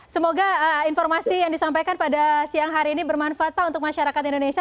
semoga informasi yang disampaikan pada siang hari ini bermanfaat pak untuk masyarakat indonesia